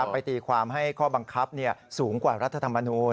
ไปตีความให้ข้อบังคับสูงกว่ารัฐธรรมนูล